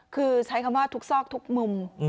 คือใช้คำว่าทุกซอกทุกมุม